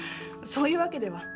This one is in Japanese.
そういうわけでは。